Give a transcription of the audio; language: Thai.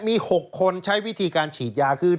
มี๖คนใช้วิธีการฉีดยาคือ